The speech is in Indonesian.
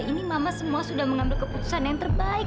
ini mama semua sudah mengambil keputusan yang terbaik